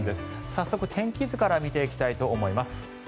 早速、天気図から見ていきたいと思います。